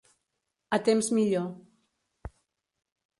A temps millor.